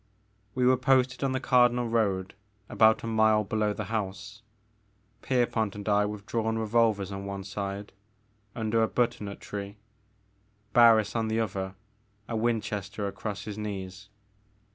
We were posted on the Cardinal road about a mile below the house, Pierpont and I with drawn revolvers on one side, tmder a butternut tree, Barris on the other, a Winchester across his knees.